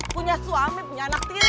punya suami punya anak tiri